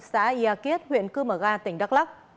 xã yà kiết huyện cư mờ ga tỉnh đắk lắc